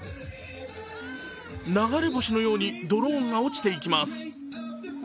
流れ星のようにドローンが落ちていきます。